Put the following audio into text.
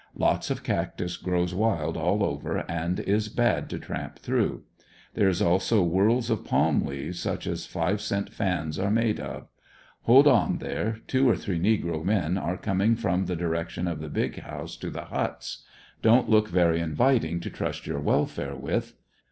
Lots of cactus grows wild all over, and is bad to tramp through. There is also worlds of palm leaves, such as five cent fans are made of. Hold on there, two or three negro men are coming from the direc tion of the big house to the huts. Don't look very inviting to trust your welfare with.